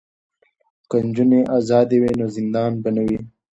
که نجونې ازادې وي نو زندان به نه وي.